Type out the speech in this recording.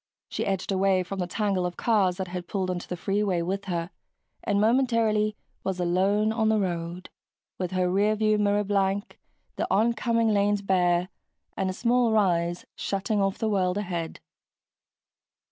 She edged away from the tangle of cars that had pulled onto the freeway with her and momentarily was alone on the road, with her rear view mirror blank, the oncoming lanes bare, and a small rise shutting off the world ahead.